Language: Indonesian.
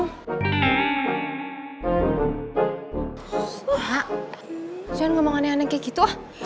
kak jangan ngomong aneh aneh kayak gitu ah